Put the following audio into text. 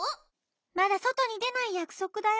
まだそとにでないやくそくだよ！